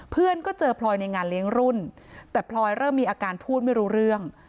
เพื่อนก็เจอพลอยในงานเลี้ยงรุ่นแต่พลอยเริ่มมีอาการพูดไม่รู้เรื่อง